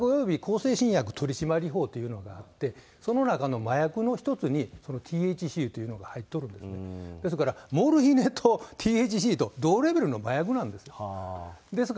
麻薬および向精神薬取締法というのがあって、その中の麻薬の１つに、そのＴＨＣというのが入っとるんで、ですから、モルヒネとＴＨＣと同レベルの麻薬なんですよ。